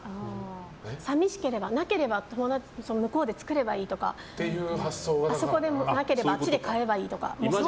寂しければなければ向こうで作ればいいとかあそこでもなければあっちで買えばいいみたいな。